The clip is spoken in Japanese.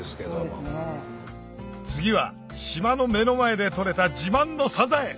次は島の目の前で採れた自慢のサザエ！